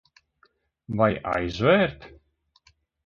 Vai aizv?rt?